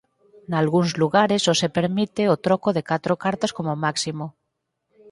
Nalgúns lugares só se permite o troco de catro cartas como máximo.